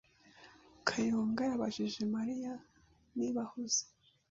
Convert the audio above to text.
Kayonga yabajije Mariya niba ahuze.